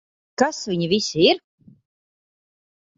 Kas viņi visi ir?